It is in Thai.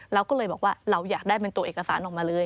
เราก็เลยบอกว่าเราอยากได้เป็นตัวเอกสารออกมาเลย